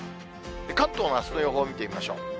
関東のあすの予報を見てみましょう。